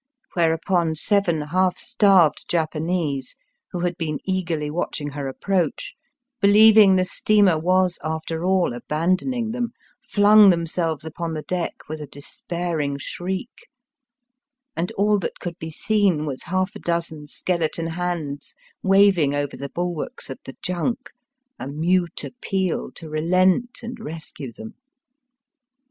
Whereupon seven half starved Japanese, who had been eagerly watching her approach, beHeving the steamer was after all abandoning them, flung themselves upon the deck with a despairing shriek, and all that could be seen was half a dozen skeleton hands waving over the bul warks of the junk — a mute appeal to relent and rescue them.